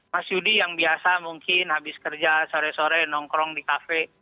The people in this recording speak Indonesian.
mas yudi yang biasa mungkin habis kerja sore sore nongkrong di kafe